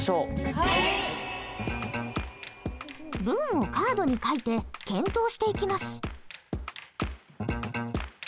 文をカードに書いて検討していきます。